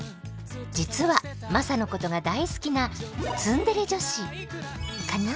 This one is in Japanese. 実はマサのことが大好きなツンデレ女子カナ？